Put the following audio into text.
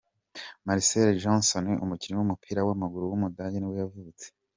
Marcell Jansen, umukinnyi w’umupira w’amaguru w’umudage nibwo yavutse.